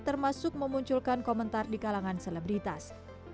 termasuk memunculkan komentar di kalangan selebritas